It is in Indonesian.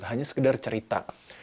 hanya sekedar cerita